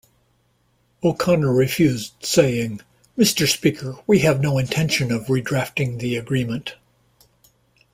O'Connor refused saying Mr. Speaker, we have no intention of redrafting the agreement.